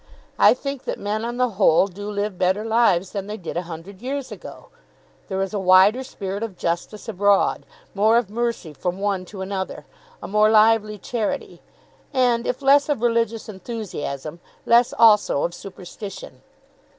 I think that men on the whole do live better lives than they did a hundred years ago. There is a wider spirit of justice abroad, more of mercy from one to another, a more lively charity, and if less of religious enthusiasm, less also of superstition.